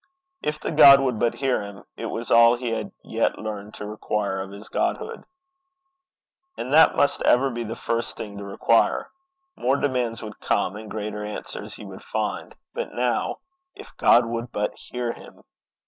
If the God would but hear him, it was all he had yet learned to require of his Godhood. And that must ever be the first thing to require. More demands would come, and greater answers he would find. But now if God would but hear him!